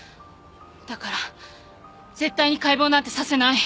だから絶対に解剖なんてさせない。